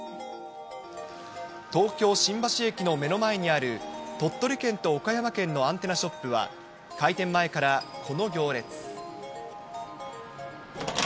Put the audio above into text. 東京・新橋駅の目の前にある、鳥取県と岡山県のアンテナショップは、開店前からこの行列。